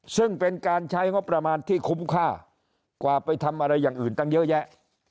ซึ่งเป็นการใช้งบประมาณที่คุ้มค่ากว่าไปทำอะไรอย่างอื่นตั้งเยอะแยะ